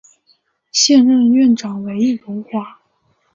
现任院长为易荣华。